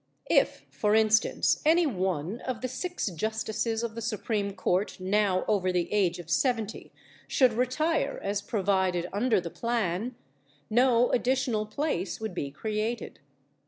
If, for instance, any one of the six justices of the Supreme Court now over the age of seventy should retire as provided under the plan, no additional place would be created.